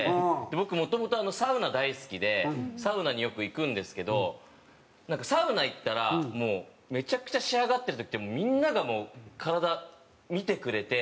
僕もともとサウナ大好きでサウナによく行くんですけどサウナ行ったらもうめちゃくちゃ仕上がってる時ってみんながもう体見てくれて。